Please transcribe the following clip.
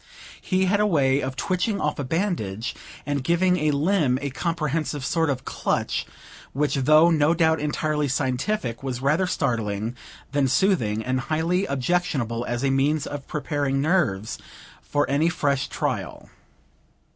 He had a way of twitching off a bandage, and giving a limb a comprehensive sort of clutch, which though no doubt entirely scientific, was rather startling than soothing, and highly objectionable as a means of preparing nerves for any fresh trial.